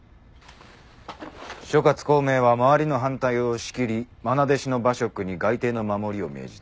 諸葛孔明は周りの反対を押し切り愛弟子の馬謖に街亭の守りを命じた。